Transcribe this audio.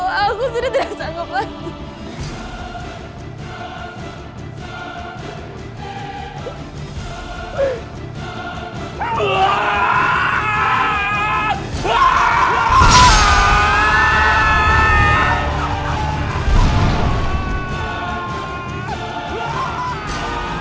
kalau gak aku bopo aku sudah tidak sanggup lagi